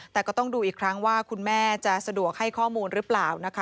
แต่ก็ต้องดูอีกครั้งว่าคุณแม่จะสะดวกให้ข้อมูลหรือเปล่านะคะ